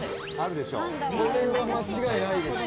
これは間違いないよ